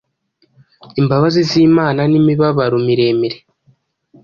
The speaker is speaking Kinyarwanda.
Imbabazi z'Imana n'imibabaro miremire